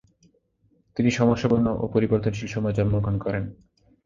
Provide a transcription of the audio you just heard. তিনি সমস্যাপূর্ণ ও পরিবর্তনশীল সময়ে জন্মগ্রহণ করেন।